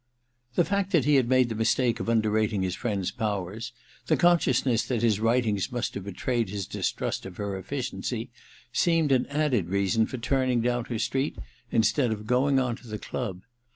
The fact that he had made the mistake of under rating his friend's powers, the conscious ness that his writing must have betrayed his distrust of her efficiency, seemed an added reason for turning down her street instead of going on to the club.